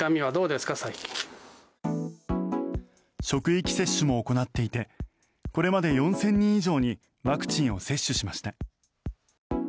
職域接種も行っていてこれまで４０００人以上にワクチンを接種しました。